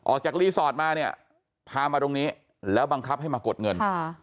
ออกจากรีสอร์ทมาเนี่ยพามาตรงนี้แล้วบังคับให้มากดเงิน